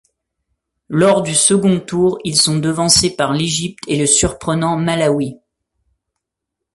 Lors du second tour, ils sont devancés par l'Égypte et le surprenant Malawi.